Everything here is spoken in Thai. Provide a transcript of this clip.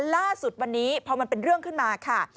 ล่าสุดวันนี้พอมันเป็นเรื่องขึ้นมาค่ะ